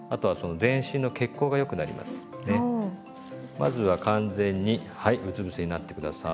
まずは完全にはいうつぶせになって下さい。